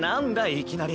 いきなり。